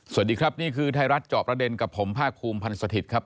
สวัสดีครับนี่คือไทยรัฐจอบประเด็นกับผมภาคภูมิพันธ์สถิตย์ครับ